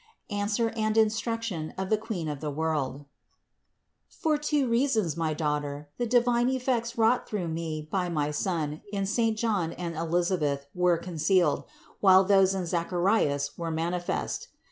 ANSWER AND INSTRUCTION OF THE QUEEN OF THE WORLD. 299. For two reasons, my daughter, the divine effects wrought through me by my Son in saint John and Elisa beth were concealed, while those in Zacharias were mani fest.